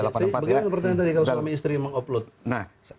begitu yang pertanyaan tadi kalau suami istri mengupload